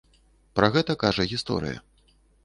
Пра гэта кажа гісторыя.